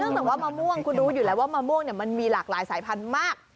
จากว่ามะม่วงคุณรู้อยู่แล้วว่ามะม่วงมันมีหลากหลายสายพันธุ์มาก